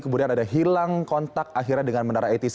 kemudian ada hilang kontak akhirnya dengan menara atc